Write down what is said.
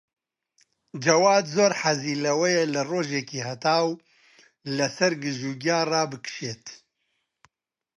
جەواد زۆر حەزی لەوەیە لە ڕۆژێکی هەتاو لەسەر گژوگیا ڕابکشێت.